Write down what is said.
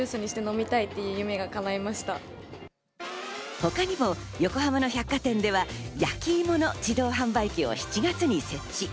他にも横浜の百貨店では焼き芋の自動販売機を７月に設置。